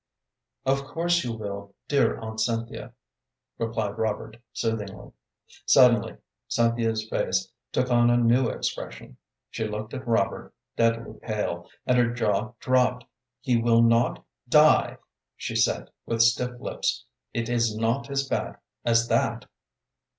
"Of course you will, dear Aunt Cynthia," replied Robert, soothingly. Suddenly Cynthia's face took on a new expression. She looked at Robert, deadly pale, and her jaw dropped. "He will not die," she said, with stiff lips. "It is not as bad as that?"